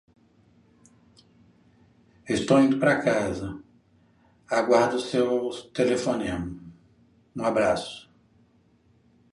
Deixa de frescura menino